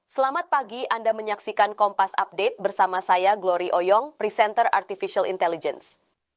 selamat pagi anda menyaksikan kompas update bersama saya glory oyong presenter artificial intelligence